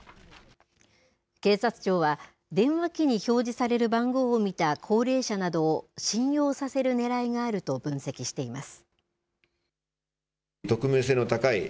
警察庁は電話機に表示される番号を見た高齢者などを信用させるねらいがあると分析しています。